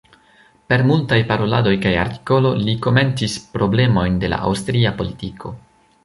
Per multaj paroladoj kaj artikolo li komentis problemojn de la aŭstria politiko.